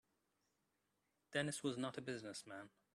Dennis was not a business man.